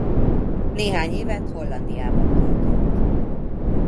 Néhány évet Hollandiában töltött.